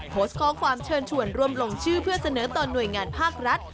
โพสต์ข้อความเชิญชวนร่วมลงชื่อเพื่อเสนอต่อหน่วยงานภาครัฐ